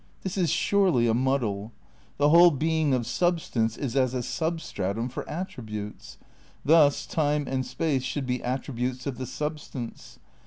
This is surely a muddle. The whole being of substance is as a substratum for attributes. Thus time and space should be at tributes of the substance.